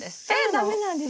駄目なんですか？